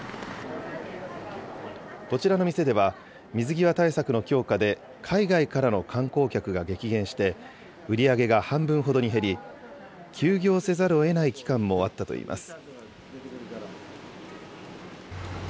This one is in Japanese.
こちらの店では、水際対策の強化で、海外からの観光客が激減して、売り上げが半分ほどに減り、休業せざるをえない期間もあったといいます。